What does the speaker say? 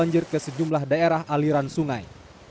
di sejumlah daerah aliran sungai